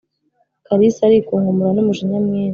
kalisa arikunkumura numujinya mwinshi